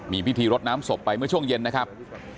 มีพิธีรดน้ำศพไปเมื่อช่วงเย็นนะครับ